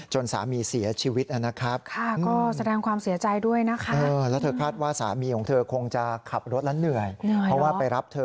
เหนื่อยเหรอเพราะว่าไปรับเธอ